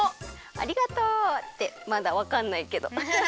ありがとう！ってまだわかんないけど。